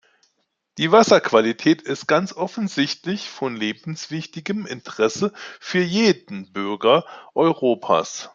Die Wasserqualität ist ganz offensichtlich von lebenswichtigem Interesse für jeden Bürger Europas.